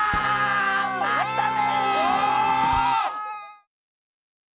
またね！